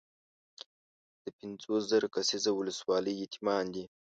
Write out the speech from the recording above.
د پنځوس زره کسیزه ولسوالۍ یتیمان دي.